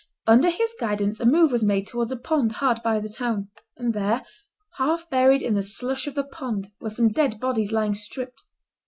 Under his guidance a move was made towards a pond hard by the town; and there, half buried in the slush of the pond, were some dead bodies, lying stripped.